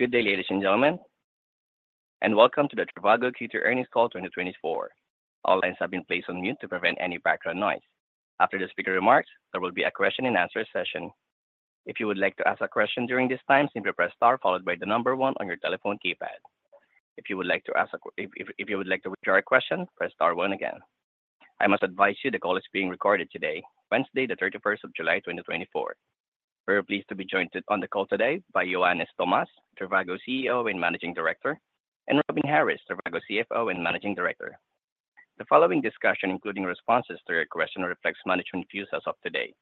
Good day, ladies and gentlemen, and welcome to the Trivago Q2 Earnings Call 2024. All lines have been placed on mute to prevent any background noise. After the speaker remarks, there will be a question-and-answer session. If you would like to ask a question during this time, simply press star followed by the number one on your telephone keypad. If you would like to withdraw a question, press star one again. I must advise you the call is being recorded today, Wednesday, the 31st of July 2024. We are pleased to be joined on the call today by Johannes Thomas, Trivago CEO and Managing Director, and Robin Harries, Trivago CFO and Managing Director. The following discussion, including responses to your questions, reflects management views as of today,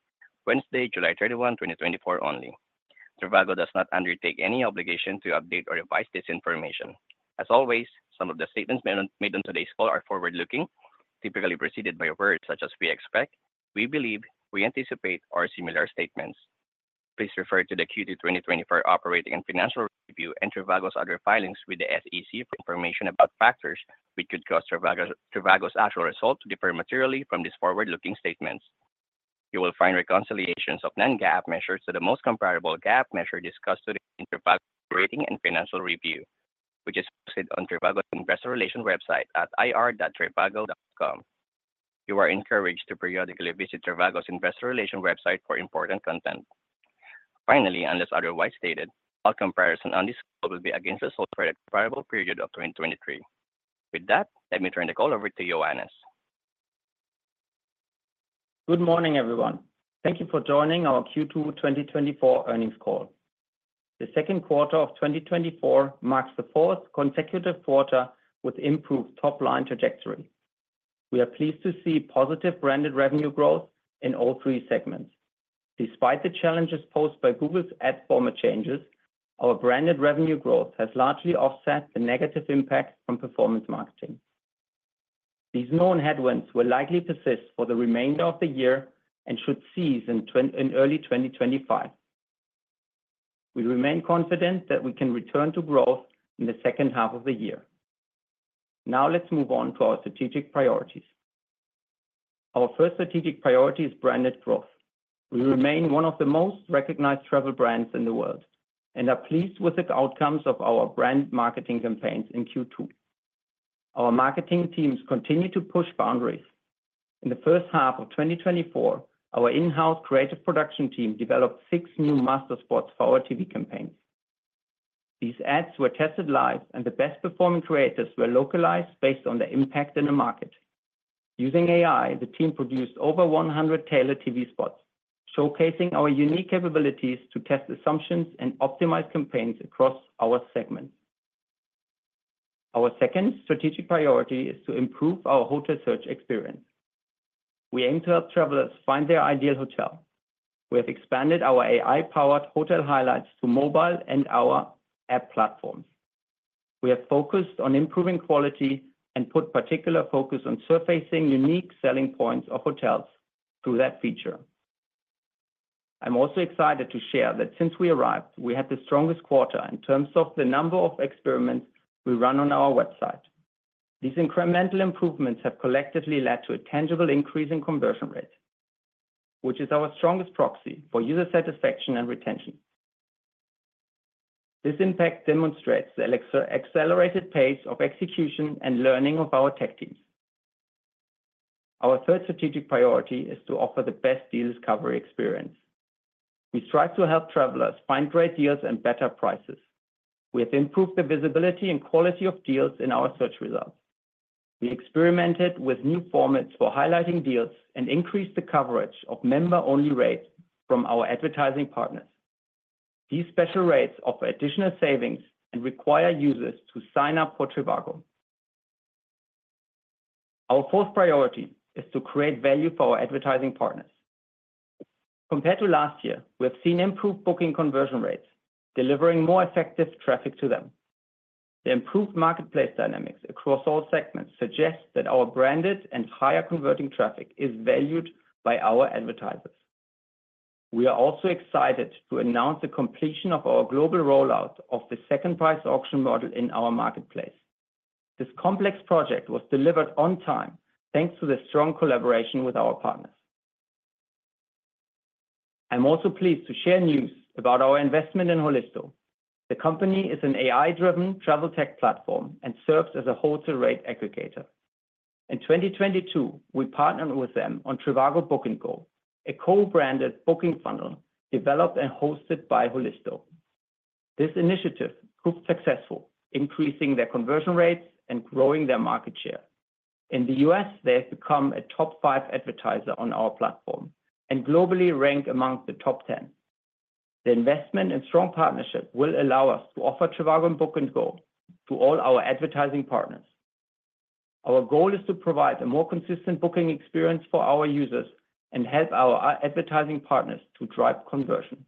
Wednesday, 31 July 2024, only. Trivago does not undertake any obligation to update or advise this information. As always, some of the statements made on today's call are forward-looking, typically preceded by words such as "We expect," "We believe," "We anticipate," or similar statements. Please refer to the Q2 2024 Operating and Financial Review and Trivago's other filings with the SEC for information about factors which could cause Trivago's actual result to differ materially from these forward-looking statements. You will find reconciliations of non-GAAP measures to the most comparable GAAP measure discussed today in Trivago's Operating and Financial Review, which is posted on Trivago's investor relations website at ir.trivago.com. You are encouraged to periodically visit Trivago's investor relations website for important content. Finally, unless otherwise stated, all comparisons on this call will be against the results for the comparable period of 2023. With that, let me turn the call over to Johannes. Good morning, everyone. Thank you for joining our Q2 2024 Earnings Call. The Q2 of 2024 marks the fourth consecutive quarter with improved top-line trajectory. We are pleased to see positive branded revenue growth in all three segments. Despite the challenges posed by Google's ad format changes, our branded revenue growth has largely offset the negative impact from performance marketing. These known headwinds will likely persist for the remainder of the year and should cease in early 2025. We remain confident that we can return to growth in the H2 of the year. Now, let's move on to our strategic priorities. Our first strategic priority is branded growth. We remain one of the most recognized travel brands in the world and are pleased with the outcomes of our brand marketing campaigns in Q2. Our marketing teams continue to push boundaries. In the H1 of 2024, our in-house creative production team developed six new master spots for our TV campaigns. These ads were tested live, and the best-performing creators were localized based on their impact in the market. Using AI, the team produced over 100 tailored TV spots, showcasing our unique capabilities to test assumptions and optimize campaigns across our segments. Our second strategic priority is to improve our hotel search experience. We aim to help travelers find their ideal hotel. We have expanded our AI-powered Hotel Highlights to mobile and our app platforms. We have focused on improving quality and put particular focus on surfacing unique selling points of hotels through that feature. I'm also excited to share that since we arrived, we had the strongest quarter in terms of the number of experiments we run on our website. These incremental improvements have collectively led to a tangible increase in conversion rate, which is our strongest proxy for user satisfaction and retention. This impact demonstrates the accelerated pace of execution and learning of our tech teams. Our third strategic priority is to offer the best deal discovery experience. We strive to help travelers find great deals and better prices. We have improved the visibility and quality of deals in our search results. We experimented with new formats for highlighting deals and increased the coverage of member-only rates from our advertising partners. These special rates offer additional savings and require users to sign up for Trivago. Our fourth priority is to create value for our advertising partners. Compared to last year, we have seen improved booking conversion rates, delivering more effective traffic to them. The improved marketplace dynamics across all segments suggest that our branded and higher-converting traffic is valued by our advertisers. We are also excited to announce the completion of our global rollout of the second price auction model in our marketplace. This complex project was delivered on time thanks to the strong collaboration with our partners. I'm also pleased to share news about our investment in Holisto. The company is an AI-driven travel tech platform and serves as a hotel rate aggregator. In 2022, we partnered with them on Trivago Book & Go, a co-branded booking funnel developed and hosted by Holisto. This initiative proved successful, increasing their conversion rates and growing their market share. In the US, they have become a top 5 advertiser on our platform and globally rank among the top 10. The investment and strong partnership will allow us to offer Trivago Book & Go to all our advertising partners. Our goal is to provide a more consistent booking experience for our users and help our advertising partners to drive conversion.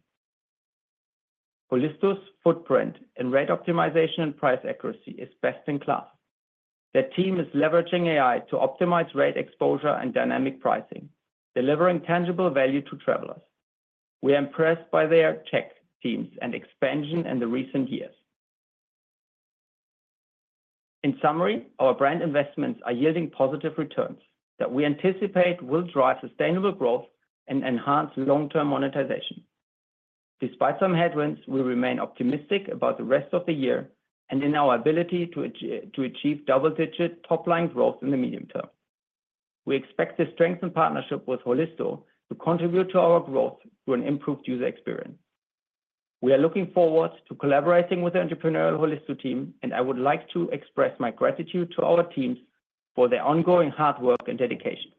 Holisto's footprint in rate optimization and price accuracy is best in class. Their team is leveraging AI to optimize rate exposure and dynamic pricing, delivering tangible value to travelers. We are impressed by their tech teams and expansion in the recent years. In summary, our brand investments are yielding positive returns that we anticipate will drive sustainable growth and enhance long-term monetization. Despite some headwinds, we remain optimistic about the rest of the year and in our ability to achieve double-digit top-line growth in the medium term. We expect the strengthened partnership with Holisto to contribute to our growth through an improved user experience. We are looking forward to collaborating with the entrepreneurial Holisto team, and I would like to express my gratitude to our teams for their ongoing hard work and dedication.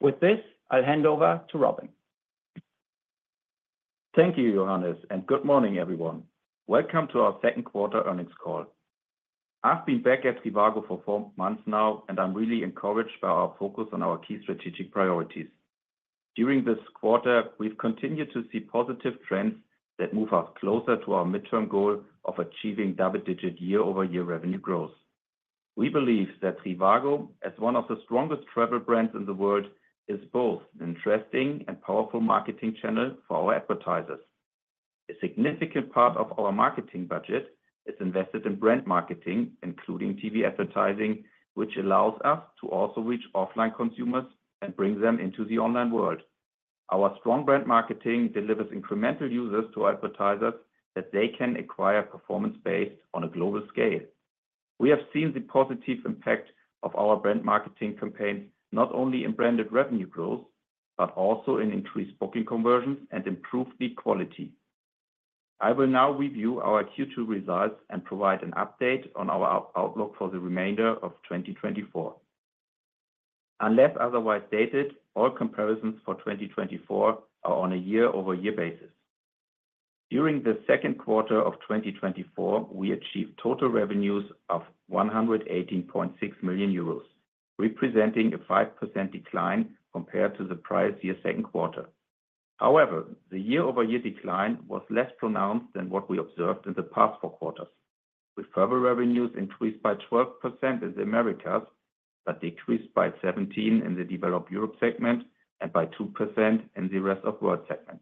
With this, I'll hand over to Robin. Thank you, Johannes, and good morning, everyone. Welcome to our Q2 Earnings Call. I've been back at Trivago for four months now, and I'm really encouraged by our focus on our key strategic priorities. During this quarter, we've continued to see positive trends that move us closer to our midterm goal of achieving double-digit year-over-year revenue growth. We believe that Trivago, as one of the strongest travel brands in the world, is both an interesting and powerful marketing channel for our advertisers. A significant part of our marketing budget is invested in brand marketing, including TV advertising, which allows us to also reach offline consumers and bring them into the online world. Our strong brand marketing delivers incremental users to advertisers that they can acquire performance-based on a global scale. We have seen the positive impact of our brand marketing campaigns not only in branded revenue growth, but also in increased booking conversions and improved quality. I will now review our Q2 results and provide an update on our outlook for the remainder of 2024. Unless otherwise stated, all comparisons for 2024 are on a year-over-year basis. During the Q2 of 2024, we achieved total revenues of 118.6 million euros, representing a 5% decline compared to the prior year's Q2. However, the year-over-year decline was less pronounced than what we observed in the past Q4, with referral revenues increased by 12% in the Americas but decreased by 17% in the Developed Europe segment and by 2% in the Rest of World segment.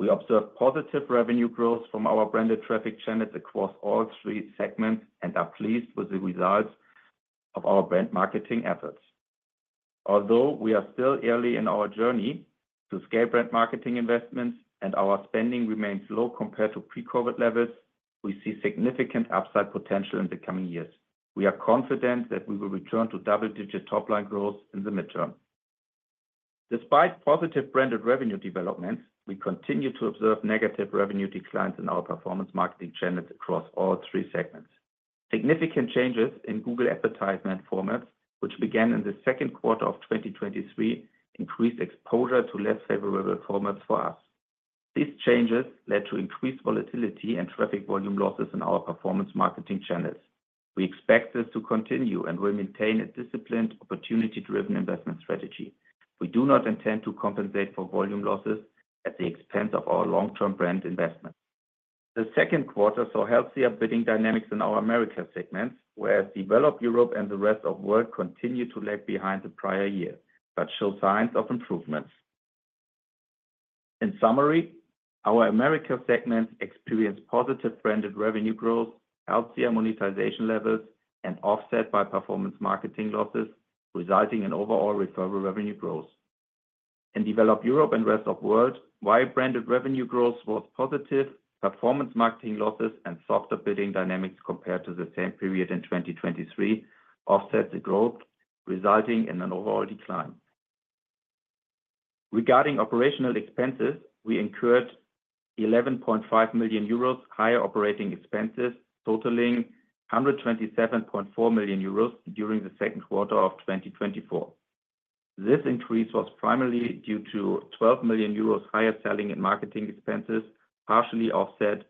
We observed positive revenue growth from our branded traffic channels across all three segments and are pleased with the results of our brand marketing efforts. Although we are still early in our journey to scale brand marketing investments and our spending remains low compared to pre-COVID levels, we see significant upside potential in the coming years. We are confident that we will return to double-digit top-line growth in the midterm. Despite positive branded revenue developments, we continue to observe negative revenue declines in our performance marketing channels across all three segments. Significant changes in Google advertisement formats, which began in the Q2 of 2023, increased exposure to less favorable formats for us. These changes led to increased volatility and traffic volume losses in our performance marketing channels. We expect this to continue and will maintain a disciplined, opportunity-driven investment strategy. We do not intend to compensate for volume losses at the expense of our long-term brand investments. The Q2 saw healthier bidding dynamics in our Americas segments, whereas Developed Europe and Rest of World continued to lag behind the prior year but showed signs of improvements. In summary, our Americas segments experienced positive branded revenue growth, healthier monetization levels, and offset by performance marketing losses, resulting in overall referral revenue growth. In Developed Europe and Rest of World, while branded revenue growth was positive, performance marketing losses and softer bidding dynamics compared to the same period in 2023 offset the growth, resulting in an overall decline. Regarding operational expenses, we incurred 11.5 million euros higher operating expenses, totaling 127.4 million euros during the Q2 of 2024. This increase was primarily due to 12 million euros higher selling and marketing expenses, partially offset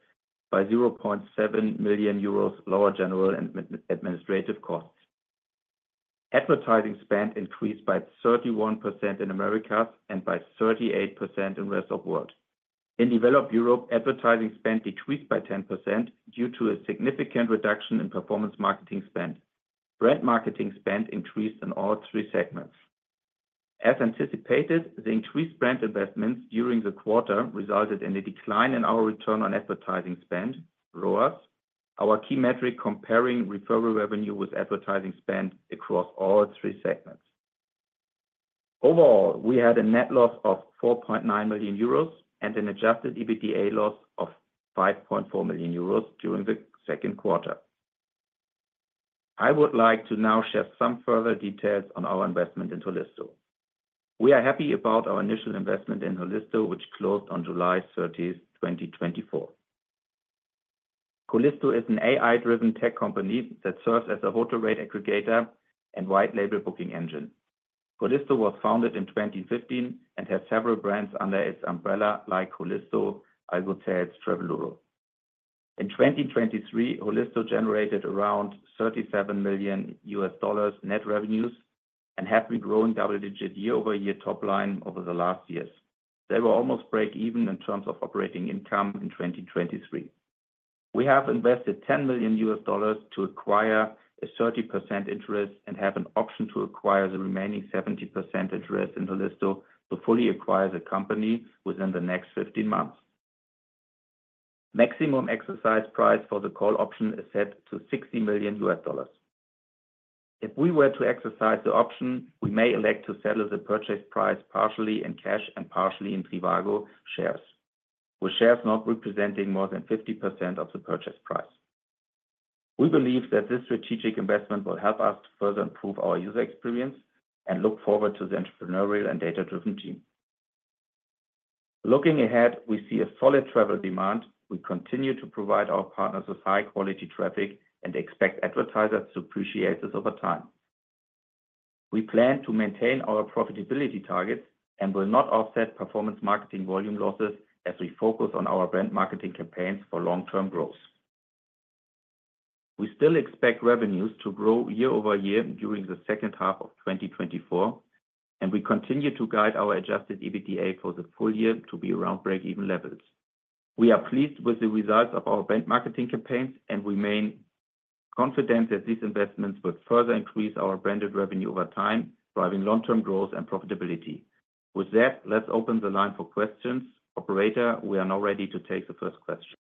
by 0.7 million euros lower general and administrative costs. Advertising spend increased by 31% in Americas and by 38% in the Rest of World. In developed Europe, advertising spend decreased by 10% due to a significant reduction in performance marketing spend. Brand marketing spend increased in all three segments. As anticipated, the increased brand investments during the quarter resulted in a decline in our return on advertising spend, ROAS, our key metric comparing referral revenue with advertising spend across all three segments. Overall, we had a net loss of 4.9 million euros and an adjusted EBITDA loss of 5.4 million euros during Q2. I would like to now share some further details on our investment in Holisto. We are happy about our initial investment in Holisto, which closed on 30 July 2024. Holisto is an AI-driven tech company that serves as a hotel rate aggregator and white-label booking engine. Holisto was founded in 2015 and has several brands under its umbrella, like Holisto, Algotels, and Traveluro. In 2023, Holisto generated around $37 million net revenues and has been growing double-digit year-over-year top line over the last years. They were almost break-even in terms of operating income in 2023. We have invested $10 million to acquire a 30% interest and have an option to acquire the remaining 70% interest in Holisto to fully acquire the company within the next 15 months. Maximum exercise price for the call option is set to $60 million. If we were to exercise the option, we may elect to settle the purchase price partially in cash and partially in Trivago shares, with shares not representing more than 50% of the purchase price. We believe that this strategic investment will help us to further improve our user experience and look forward to the entrepreneurial and data-driven team. Looking ahead, we see a solid travel demand. We continue to provide our partners with high-quality traffic and expect advertisers to appreciate this over time. We plan to maintain our profitability targets and will not offset performance marketing volume losses as we focus on our brand marketing campaigns for long-term growth. We still expect revenues to grow year-over-year during the H2 of 2024, and we continue to guide our Adjusted EBITDA for the full year to be around break-even levels. We are pleased with the results of our brand marketing campaigns and remain confident that these investments will further increase our branded revenue over time, driving long-term growth and profitability. With that, let's open the line for questions. Operator, we are now ready to take the first question.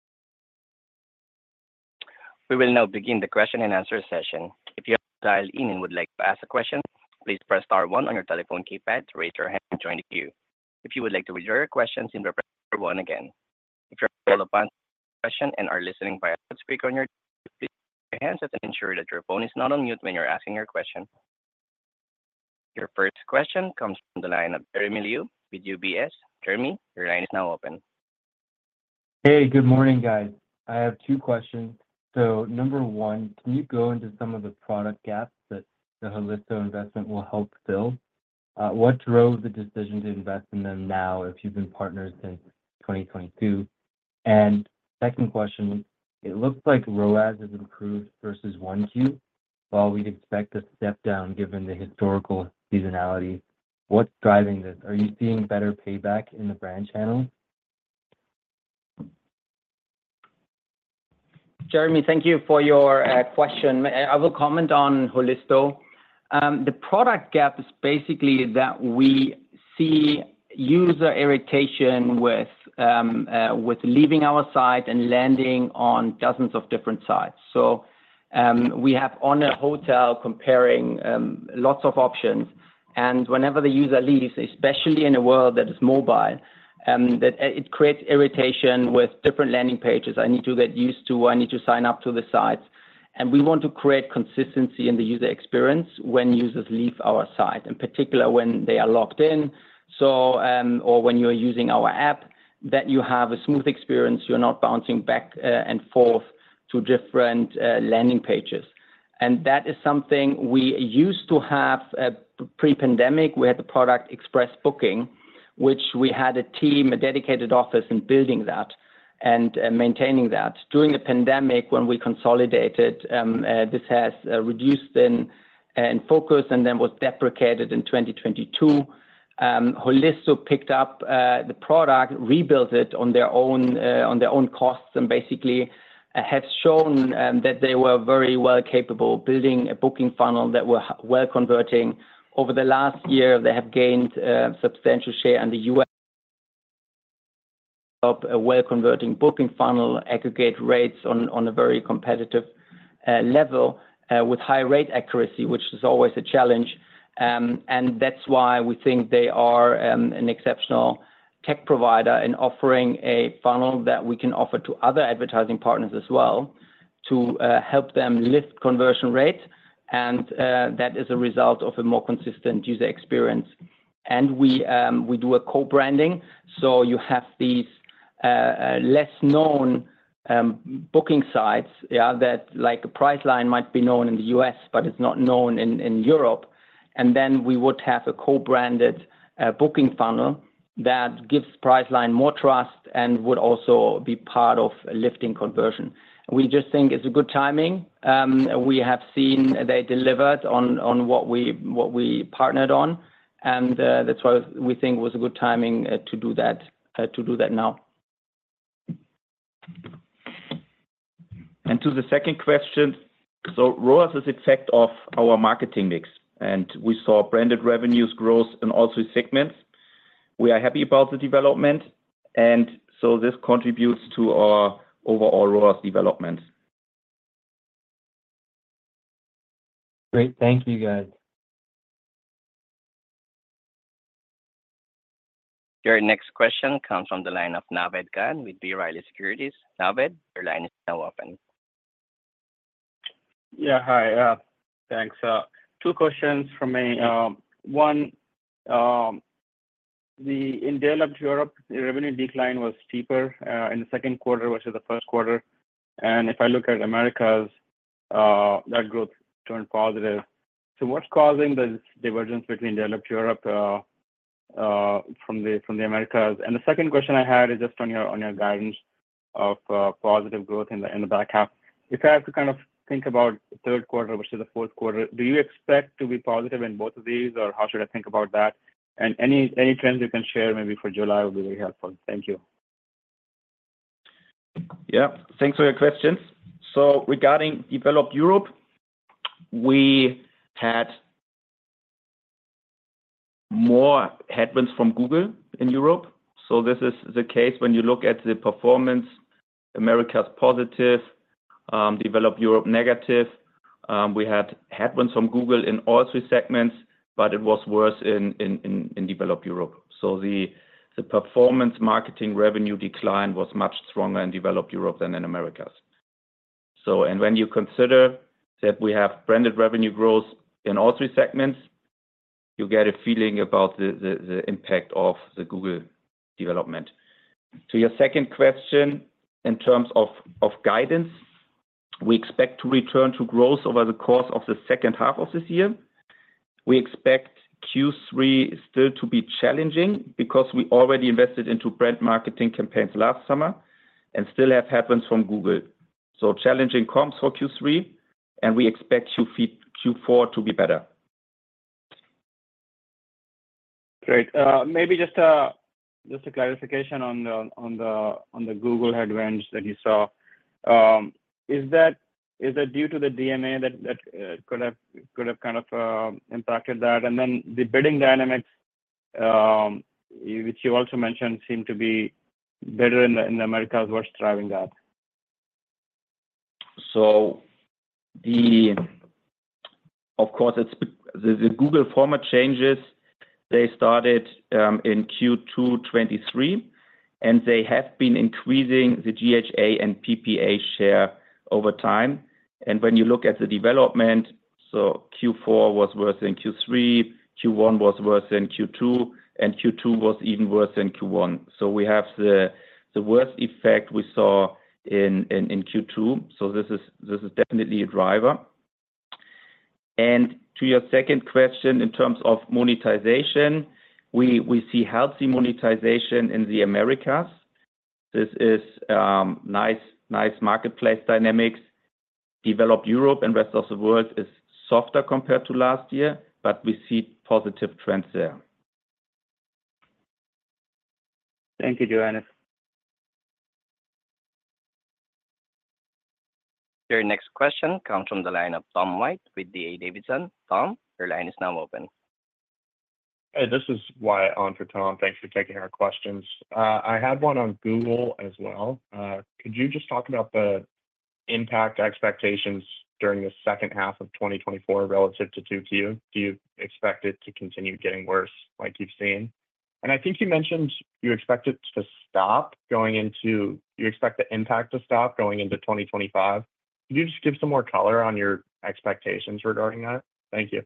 We will now begin the question-and-answer session. If you have dialed in and would like to ask a question, please press star one on your telephone keypad to raise your hand and join the queue. If you would like to reserve your questions, please press star one again. If you're still upon the question and are listening via a speaker on your device, please raise your hand so I can ensure that your phone is not on mute when you're asking your question. Your first question comes from the line of Jeremy Liu with UBS. Jeremy, your line is now open. Hey, good morning, guys. I have two questions. So number one, can you go into some of the product gaps that the Holisto investment will help fill? What drove the decision to invest in them now if you've been partners since 2022? And second question, it looks like ROAS has improved versus Q1, while we'd expect a step down given the historical seasonality. What's driving this? Are you seeing better payback in the brand channels? Jeremy, thank you for your question. I will comment on Holisto. The product gap is basically that we see user irritation with leaving our site and landing on dozens of different sites. So we have on a hotel comparing lots of options, and whenever the user leaves, especially in a world that is mobile, it creates irritation with different landing pages. I need to get used to, I need to sign up to the sites. And we want to create consistency in the user experience when users leave our site, in particular when they are locked in or when you are using our app, that you have a smooth experience. You're not bouncing back and forth to different landing pages. And that is something we used to have pre-pandemic. We had the product express booking, which we had a team, a dedicated office in building that and maintaining that. During the pandemic, when we consolidated, this has reduced in focus and then was deprecated in 2022. Holisto picked up the product, rebuilt it on their own costs, and basically have shown that they were very well capable, building a booking funnel that were well converting. Over the last year, they have gained substantial share in the U.S., a well-converting booking funnel, aggregate rates on a very competitive level with high rate accuracy, which is always a challenge. And that's why we think they are an exceptional tech provider in offering a funnel that we can offer to other advertising partners as well to help them lift conversion rates. And that is a result of a more consistent user experience. And we do a co-branding. So you have these less known booking sites that like Priceline might be known in the U.S., but it's not known in Europe. And then we would have a co-branded booking funnel that gives Priceline more trust and would also be part of lifting conversion. We just think it's a good timing. We have seen they delivered on what we partnered on, and that's why we think it was a good timing to do that now. To the second question, so ROAS is a part of our marketing mix, and we saw branded revenue growth in all three segments. We are happy about the development, and so this contributes to our overall ROAS development. Great. Thank you, guys. Your next question comes from the line of Naved Khan with B. Riley Securities. Naved, your line is now open. Yeah, hi. Thanks. Two questions for me. One, then in Developed Europe, the revenue decline was steeper in the Q2 versus the Q1. And if I look at Americas, that growth turned positive. So what's causing this divergence between Developed Europe from the Americas? And the second question I had is just on your guidance of positive growth in the back half. If I have to kind of think about the Q3 versus the Q4, do you expect to be positive in both of these, or how should I think about that? And any trends you can share maybe for July would be very helpful. Thank you. Yeah, thanks for your questions. So regarding Developed Europe, we had more headwinds from Google in Europe. So this is the case when you look at the performance, Americas positive, Developed Europe negative. We had headwinds from Google in all three segments, but it was worse in Developed Europe. So the performance marketing revenue decline was much stronger in Developed Europe than in Americas. And when you consider that we have branded revenue growth in all three segments, you get a feeling about the impact of the Google development. To your second question, in terms of guidance, we expect to return to growth over the course of the H2 of this year. We expect Q3 still to be challenging because we already invested into brand marketing campaigns last summer and still have headwinds from Google. So challenging comes for Q3, and we expect Q4 to be better. Great. Maybe just a clarification on the Google headwinds that you saw. Is that due to the DMA that could have kind of impacted that? And then the bidding dynamics, which you also mentioned, seem to be better in the Americas versus driving that? So of course, the Google format changes. They started in Q2 2023, and they have been increasing the GHA and PPA share over time. And when you look at the development, so Q4 was worse than Q3, Q1 was worse than Q2, and Q2 was even worse than Q1. So we have the worst effect we saw in Q2. So this is definitely a driver. And to your second question, in terms of monetization, we see healthy monetization in the Americas. This is nice marketplace dynamics. Developed Europe and the Rest of World is softer compared to last year, but we see positive trends there. Thank you, Johannes. Your next question comes from the line of Tom White with D.A. Davidson. Tom, your line is now open. Hey, this is Wyatt Swanson for Tom White. Thanks for taking our questions. I had one on Google as well. Could you just talk about the impact expectations during the H2 of 2024 relative to Q2? Do you expect it to continue getting worse like you've seen? And I think you mentioned you expect it to stop going into—you expect the impact to stop going into 2025. Could you just give some more color on your expectations regarding that? Thank you.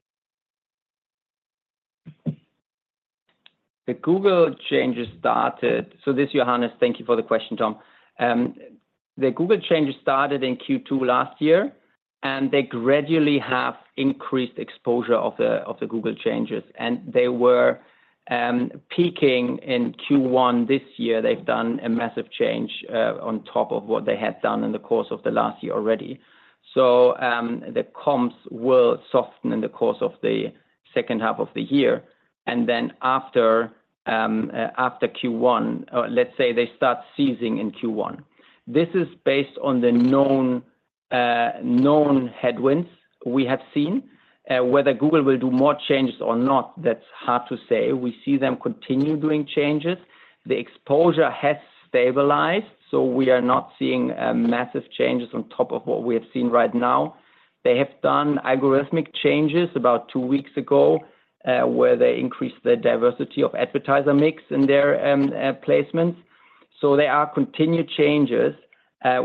The Google changes started, so this, Johannes, thank you for the question, Tom. The Google changes started in Q2 last year, and they gradually have increased exposure of the Google changes. They were peaking in Q1 this year. They've done a massive change on top of what they had done in the course of the last year already. The comps will soften in the course of the H2 of the year. Then after Q1, let's say they start easing in Q1. This is based on the known headwinds we have seen. Whether Google will do more changes or not, that's hard to say. We see them continue doing changes. The exposure has stabilized, so we are not seeing massive changes on top of what we have seen right now. They have done algorithmic changes about two weeks ago where they increased the diversity of advertiser mix in their placements. So there are continued changes.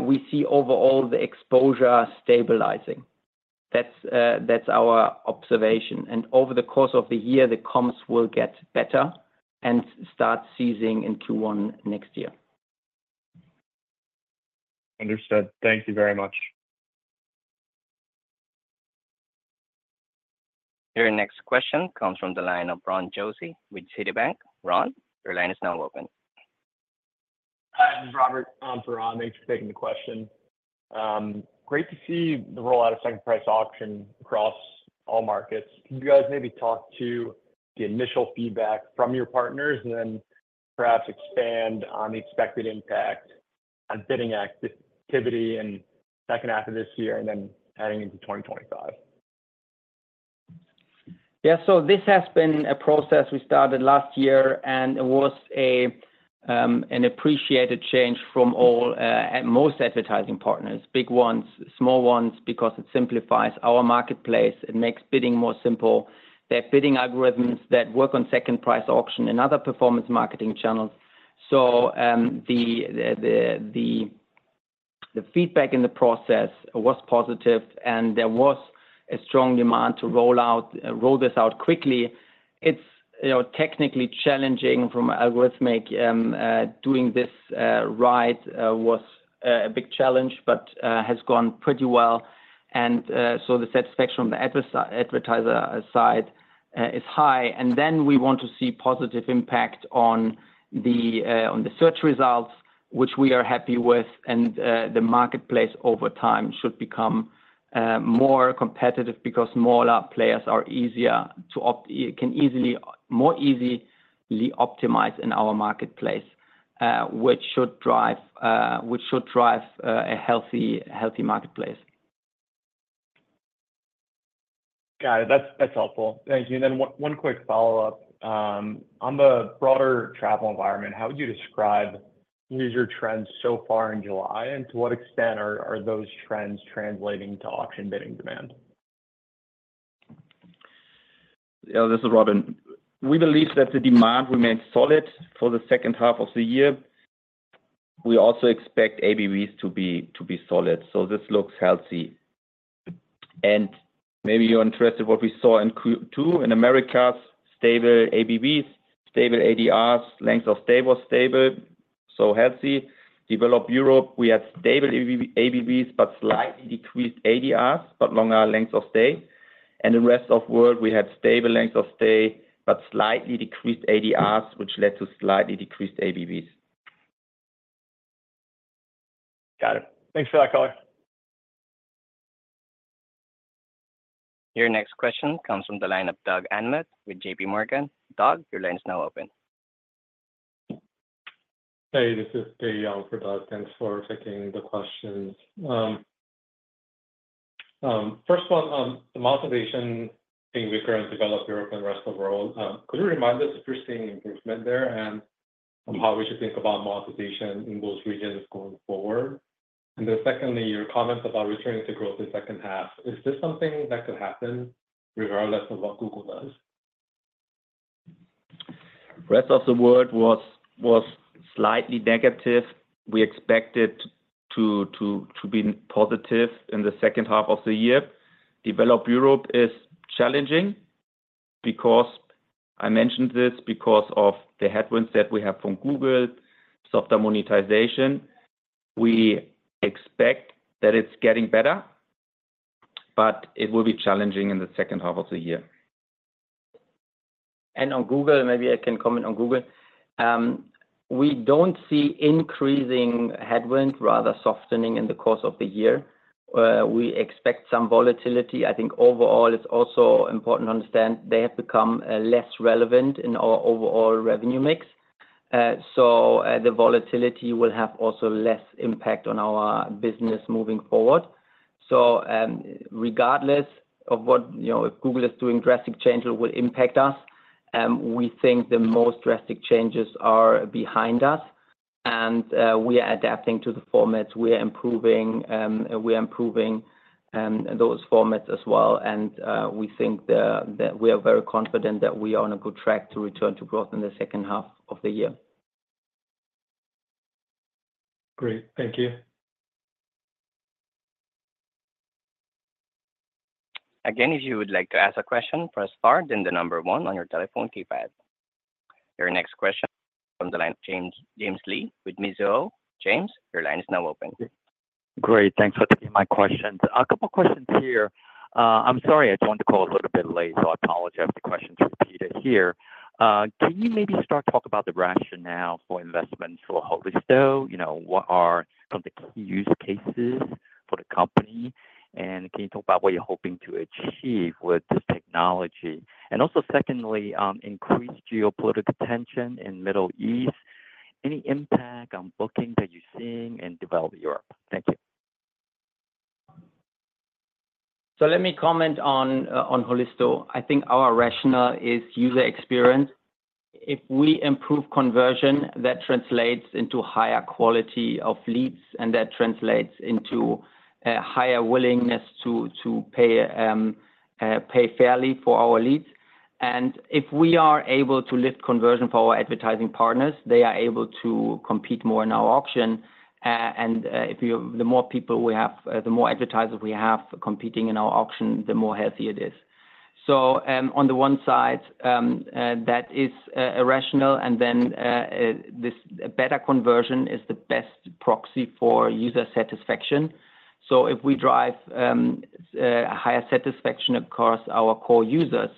We see overall the exposure stabilizing. That's our observation. And over the course of the year, the comps will get better and start easing in Q1 next year. Understood. Thank you very much. Your next question comes from the line of Ron Josey with Citibank. Ron, your line is now open. Hi, this is Robert on for Ron. Thanks for taking the question. Great to see the rollout of Second Price Auction across all markets. Can you guys maybe talk to the initial feedback from your partners and then perhaps expand on the expected impact on bidding activity in the H2 of this year and then heading into 2025? Yeah, so this has been a process we started last year, and it was an appreciated change from most advertising partners, big ones, small ones, because it simplifies our marketplace. It makes bidding more simple. They have bidding algorithms that work on Second Price Auction and other performance marketing channels. So the feedback in the process was positive, and there was a strong demand to roll this out quickly. It's technically challenging from an algorithmic. Doing this right was a big challenge, but has gone pretty well. And so the satisfaction on the advertiser side is high. And then we want to see positive impact on the search results, which we are happy with. And the marketplace over time should become more competitive because smaller players can easily, more easily optimize in our marketplace, which should drive a healthy marketplace. Got it. That's helpful. Thank you. And then one quick follow-up. On the broader travel environment, how would you describe user trends so far in July, and to what extent are those trends translating to auction bidding demand? Yeah, this is Robin. We believe that the demand remains solid for the H2 of the year. We also expect ABVs to be solid. So this looks healthy. And maybe you're interested in what we saw in Q2 in Americas: stable ABVs, stable ADRs, lengths of stay were stable, so healthy. Developed Europe, we had stable ABVs, but slightly decreased ADRs, but longer lengths of stay. And Rest of World, we had stable lengths of stay, but slightly decreased ADRs, which led to slightly decreased ABVs. Got it. Thanks for that color. Your next question comes from the line of Doug Anmuth with J.P. Morgan. Doug, your line is now open. Hey, this is Dae Lee for Doug Anmuth. Thanks for taking the questions. First of all, the monetization thing we've got in Developed Europe and the Rest of World, could you remind us if you're seeing improvement there and how we should think about monetization in those regions going forward? And then secondly, your comments about returning to growth in the H2, is this something that could happen regardless of what Google does? Rest of World was slightly negative. We expected to be positive in the H2 of the year. Developed Europe is challenging because I mentioned this because of the headwinds that we have from Google, softer monetization. We expect that it's getting better, but it will be challenging in the H2 of the year. On Google, maybe I can comment on Google. We don't see increasing headwinds, rather softening in the course of the year. We expect some volatility. I think overall, it's also important to understand they have become less relevant in our overall revenue mix. So the volatility will have also less impact on our business moving forward. So regardless of what Google is doing, drastic changes will impact us. We think the most drastic changes are behind us, and we are adapting to the formats. We are improving those formats as well. We think that we are very confident that we are on a good track to return to growth in the H2 of the year. Great. Thank you. Again, if you would like to ask a question for a start, then the number one on your telephone keypad. Your next question from the line of James Lee with Mizuho. James, your line is now open. Great. Thanks for taking my questions. A couple of questions here. I'm sorry, I joined the call a little bit late, so I apologize for the questions repeated here. Can you maybe start talking about the rationale for investment for Holisto? What are some of the key use cases for the company? And can you talk about what you're hoping to achieve with this technology? And also secondly, increased geopolitical tension in the Middle East, any impact on booking that you're seeing in developed Europe? Thank you. Let me comment on Holisto. I think our rationale is user experience. If we improve conversion, that translates into higher quality of leads, and that translates into higher willingness to pay fairly for our leads. If we are able to lift conversion for our advertising partners, they are able to compete more in our auction. The more people we have, the more advertisers we have competing in our auction, the more healthy it is. On the one side, that is a rationale. Then this better conversion is the best proxy for user satisfaction. If we drive higher satisfaction across our core users,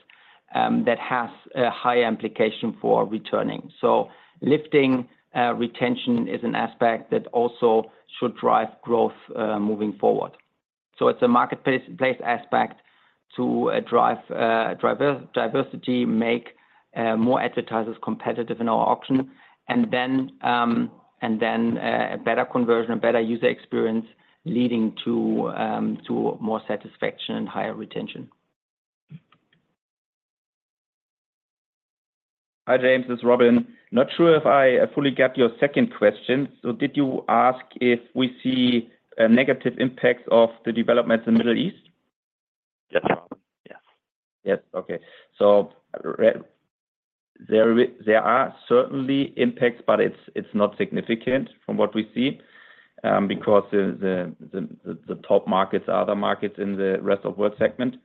that has a higher implication for returning. Lifting retention is an aspect that also should drive growth moving forward. It's a marketplace aspect to drive diversity, make more advertisers competitive in our auction, and then a better conversion, a better user experience leading to more satisfaction and higher retention. Hi, James. This is Robin. Not sure if I fully got your second question. So did you ask if we see negative impacts of the developments in the Middle East? Yes, Robin. Yes. Yes. Okay. So there are certainly impacts, but it's not significant from what we see because the top markets are the markets in the Rest of World segment.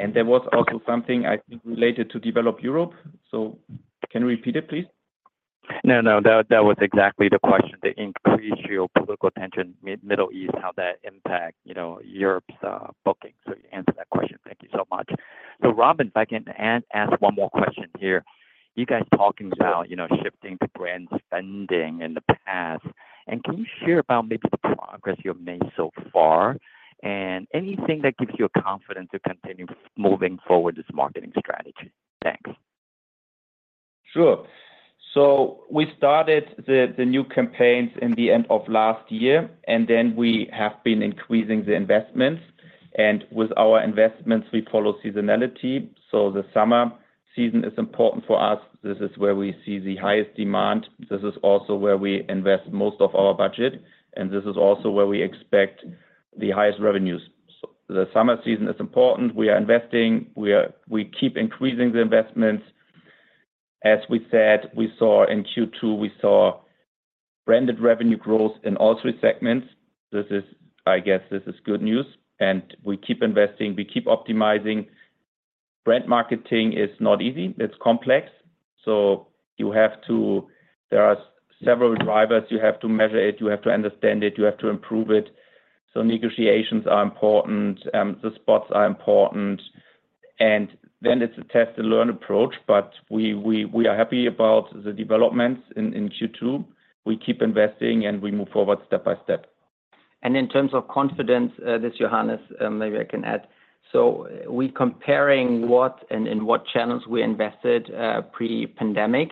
And there was also something I think related to Developed Europe. So can you repeat it, please? No, no. That was exactly the question. The increased geopolitical tension in the Middle East, how that impacts Europe's booking. So you answered that question. Thank you so much. So Robin, if I can ask one more question here. You guys talking about shifting to brand spending in the past. Can you share about maybe the progress you've made so far and anything that gives you confidence to continue moving forward this marketing strategy? Thanks. Sure. So we started the new campaigns in the end of last year, and then we have been increasing the investments. And with our investments, we follow seasonality. So the summer season is important for us. This is where we see the highest demand. This is also where we invest most of our budget. And this is also where we expect the highest revenues. So the summer season is important. We are investing. We keep increasing the investments. As we said, we saw in Q2, we saw branded revenue growth in all three segments. I guess this is good news. And we keep investing. We keep optimizing. Brand marketing is not easy. It's complex. So you have to. There are several drivers. You have to measure it. You have to understand it. You have to improve it. So negotiations are important. The spots are important. Then it's a test-and-learn approach, but we are happy about the developments in Q2. We keep investing, and we move forward step by step. In terms of confidence, this is Johannes. Maybe I can add. So we're comparing what and in what channels we invested pre-pandemic.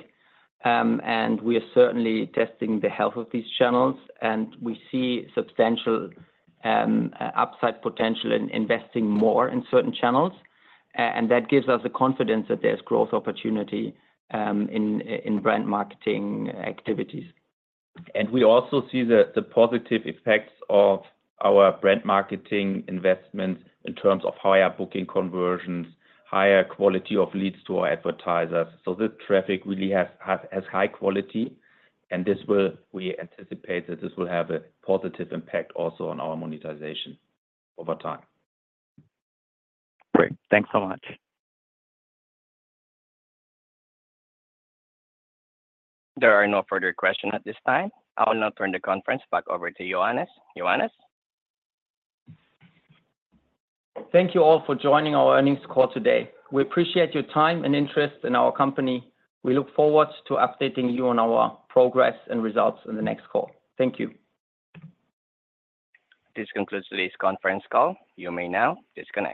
And we are certainly testing the health of these channels. And we see substantial upside potential in investing more in certain channels. And that gives us the confidence that there's growth opportunity in brand marketing activities. We also see the positive effects of our brand marketing investments in terms of higher booking conversions, higher quality of leads to our advertisers. This traffic really has high quality. We anticipate that this will have a positive impact also on our monetization over time. Great. Thanks so much. There are no further questions at this time. I will now turn the conference back over to Johannes. Johannes. Thank you all for joining our earnings call today. We appreciate your time and interest in our company. We look forward to updating you on our progress and results in the next call. Thank you. This concludes today's conference call. You may now disconnect.